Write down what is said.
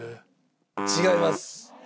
違います。